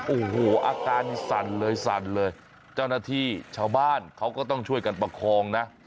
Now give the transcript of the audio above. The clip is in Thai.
โอ้โหอาการนี่สั่นเลยสั่นเลยเจ้าหน้าที่ชาวบ้านเขาก็ต้องช่วยกันประคองนะ